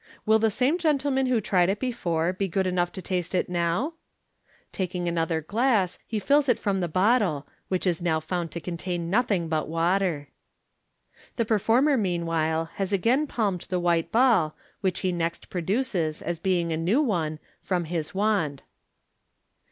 Will the same gentleman who tried it before be good enough to taste it now ?" Taking another glass, he fills it from the bottle, which is now found to contain nothing but water. The performer, meanwhile, has again palmed the white ball, which he next produces, as being a new one, from his wand.